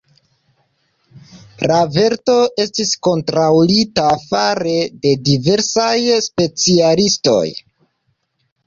La verko estis kontrolita fare de diversaj specialistoj.